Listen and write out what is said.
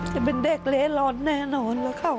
จะเป็นเด็กเละร้อนแน่นอนแหละเขา